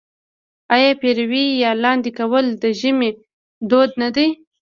آیا پېروی یا لاندی کول د ژمي دود نه دی؟